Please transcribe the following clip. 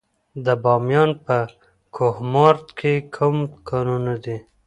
د بامیان په کهمرد کې کوم کانونه دي؟